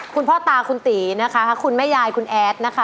คุณพ่อตาคุณตีนะคะคุณแม่ยายคุณแอดนะคะ